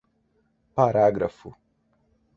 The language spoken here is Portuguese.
Parágrafo